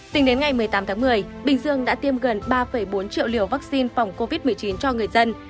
tính đến ngày một mươi tám tháng một mươi bình dương đã tiêm gần ba bốn triệu liều vaccine phòng covid một mươi chín cho người dân